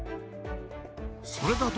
それだと、